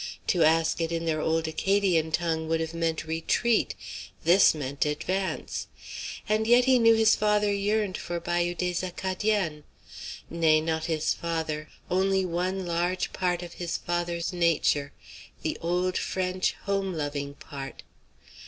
To ask it in their old Acadian tongue would have meant retreat; this meant advance. And yet he knew his father yearned for Bayou des Acadiens. Nay, not his father; only one large part of his father's nature; the old, French, home loving part.